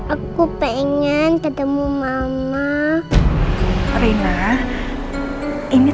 aku gak bisa ketemu mama lagi